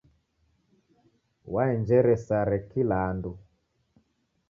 Waenjere sare kila andu.